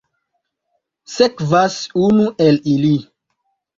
Sekvas unu el ili.